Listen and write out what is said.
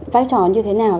vai trò như thế nào